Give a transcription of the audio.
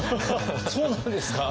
そうなんですか。